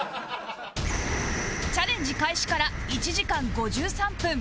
チャレンジ開始から１時間５３分